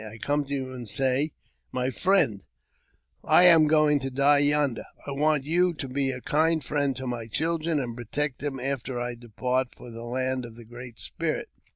I come to you and say, * My friend, I am going to die yonder ; I want you to be a kind friend to my children, and protect them after I depart for the land of the Great Spirit.'